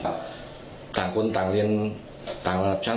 ต่างคนต่างเรียนต่างระดับชั้น